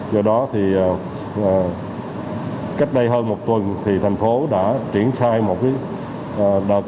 do đó thì cách đây hơn một tuần thì thành phố đã triển khai một đợt